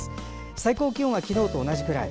最高気温は昨日と同じくらい。